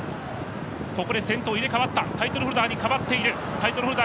先頭、入れ代わったタイトルホルダーに代わっている。